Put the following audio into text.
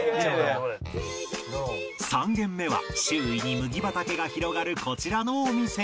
３軒目は周囲に麦畑が広がるこちらのお店